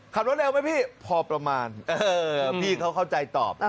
ขับรถเร็วไหมพี่พอประมาณพี่เขาเข้าใจตอบ